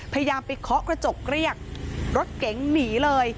พยายามไปเคาะกระจกเรียกรถเก๋งหนีเลย